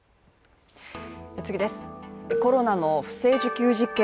コロナの不正受給事件